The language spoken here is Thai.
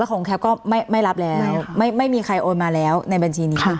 ของแคปก็ไม่รับแล้วไม่มีใครโอนมาแล้วในบัญชีนี้